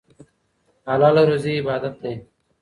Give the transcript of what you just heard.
حلاله روزي عبادت دی.